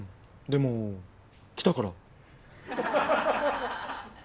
でも来たから。